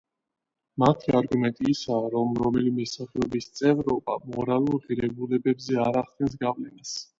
მათი არგუმენტი ისაა, რომ რომელიმე სახეობის წევრობა მორალურ ღირებულებაზე არ ახდენს გავლენას.